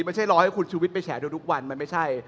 ไม่ใช่รอให้คุณชุวิตไปแฉดูทุกวันมันไม่ใช่